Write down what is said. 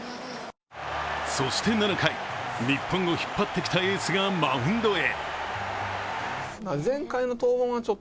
そして７回、日本を引っ張ってきたエースがマウンドへ。